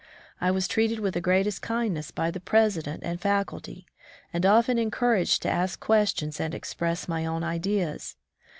I was treated with the greatest kindness by the president and faculty, and often encouraged to ask questions and express my own ideas.